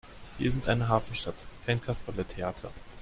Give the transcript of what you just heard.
Wir sind eine Hafenstadt, kein Kasperletheater!